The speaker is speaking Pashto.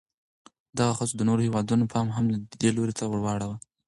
دغو هڅو د نورو هېوادونو پام هم دې لوري ته واړاوه.